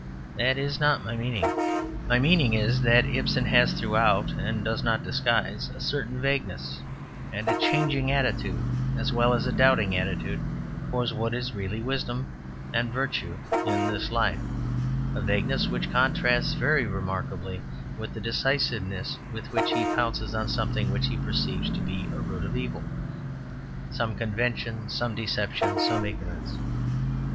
That is not my meaning. My meaning is that Ibsen has throughout, and does not disguise, a certain vagueness and a changing attitude as well as a doubting attitude towards what is really wisdom and virtue in this life a vagueness which contrasts very remarkably with the decisiveness with which he pounces on something which he perceives to be a root of evil, some convention, some deception, some ignorance.